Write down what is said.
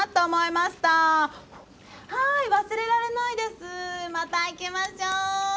また行きましょう。